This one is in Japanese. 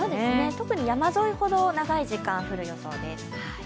特に山沿いほど長い時間降る予想です。